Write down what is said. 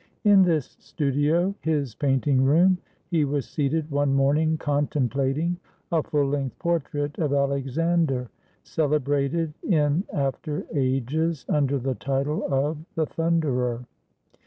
In this studio, his painting room, he was seated one morning contemplating a full length portrait of Alex ander, celebrated in after ages under the title of "The Thunderer."